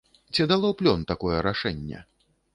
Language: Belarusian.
Ці дало плён такое рашэнне?